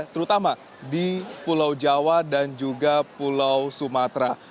terutama di pulau jawa dan juga pulau sumatera